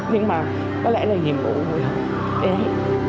nhưng mà có lẽ là nhiệm vụ của người ấy